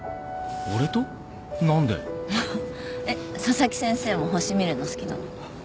佐々木先生も星見るの好きなの？